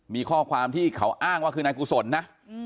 มีข้อความที่เขาอ้างว่าคือนายกุศลนะ